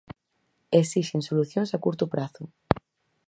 Esixen solucións a curto prazo.